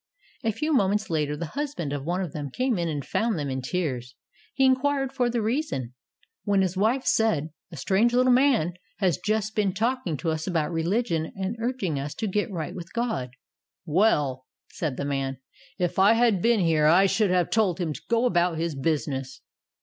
A few moments later the husband of one of them came in and found them in tears. He inquired for the reason, when his wife 52 THE soul winner's secret. said, "A strange little man has just been talking to us about religion and urging us to get right with God." "Well," said the man, "if I had been here I should have told him to go about his business."